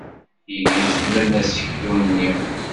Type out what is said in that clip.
Gezmen aseklu-nni.